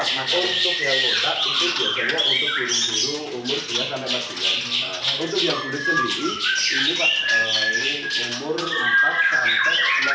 untuk yang kotak itu biasanya untuk burung burung umur tiga empat bulan